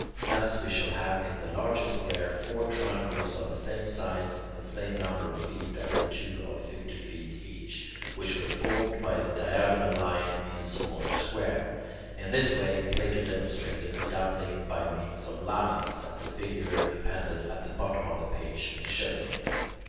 Thus we shall have in the larger square four triangles of the same size and the same number of feet as the two of fifty feet each which were formed by the diagonal line in the smaller square. In this way Plato demonstrated the doubling by means of lines, as the figure appended at the bottom of the page will show.